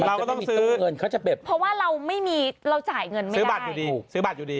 เราก็ต้องซื้อเพราะว่าเราไม่มีเราจ่ายเงินไม่ได้ซื้อบัตรอยู่ดี